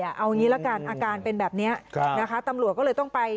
เอางี้ละกันอาการเป็นแบบนี้นะคะตำรวจก็เลยต้องไป